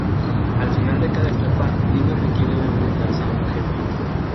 Al final de cada etapa, Dino Riki debe enfrentarse a un jefe.